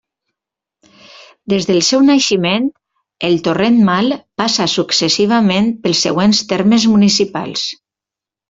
Des del seu naixement, el Torrent Mal passa successivament pels següents termes municipals.